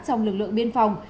trong lực lượng biên phòng